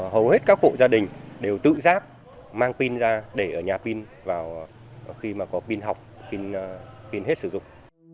hầu hết các hộ gia đình đều tự giác mang pin ra để ở nhà pin vào khi mà có pin học pin hết sử dụng